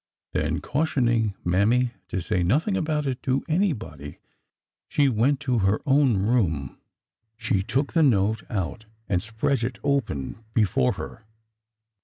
Then, cautioning Mammy to say nothing about it to anybody, she went to her own room. She took the note out and spread it open before her.